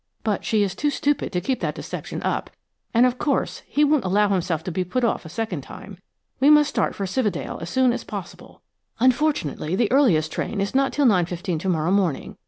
But she is too stupid to keep that deception up, and, of course, he won't allow himself to be put off a second time. We must start for Cividale as soon as possible. Unfortunately, the earliest train is not till 9.15 to morrow morning.